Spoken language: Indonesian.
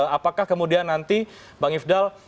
apakah kemudian nanti bang ifdal